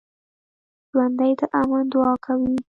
ژوندي د امن دعا کوي